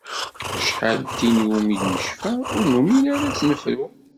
Acḥal d tin iwumi i d-necfa, ur numin ara ad tt-fru.